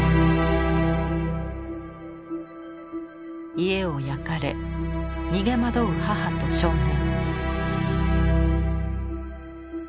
家を焼かれ逃げ惑う母と少年。